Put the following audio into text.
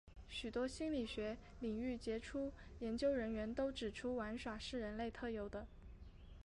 许多在心理学领域杰出的研究人员都指出玩耍是人类特有的。